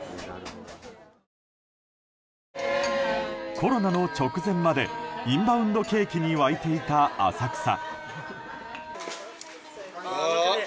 コロナの直前までインバウンド景気に沸いていた浅草。